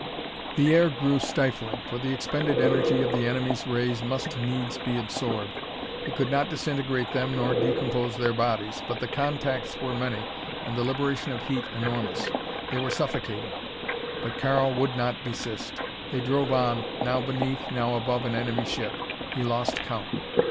The air grew stifling, for the expended energy of the enemies' rays must needs be absorbed. It could not disintegrate them nor decompose their bodies, but the contacts were many and the liberation of heat enormous. They were suffocating! But Karl would not desist. They drove on, now beneath, now above an enemy ship. He lost count.